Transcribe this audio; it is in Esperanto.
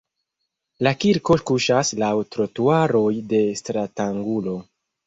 La kirko kuŝas laŭ trotuaroj de stratangulo.